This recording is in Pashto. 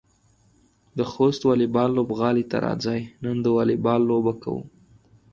د خوست واليبال لوبغالي ته راځئ، نن د واليبال لوبه کوو.